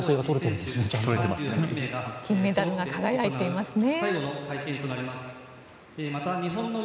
金メダルが輝いていますね。